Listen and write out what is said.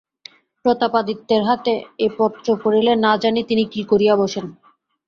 প্রতাপাদিত্যের হাতে এ পত্র পড়িলে না জানি তিনি কী করিয়া বসেন।